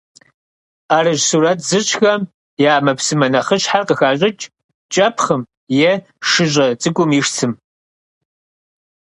Ӏэрыщӏ сурэт зыщӏхэм я ӏэмэпсымэ нэхъыщхьэр къыхащӏыкӏ кӏэпхъым е шыщӏэ цӏыкум и цым.